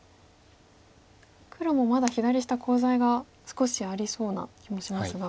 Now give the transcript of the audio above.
黒もまだ左下コウ材が少しありそうな気もしますが。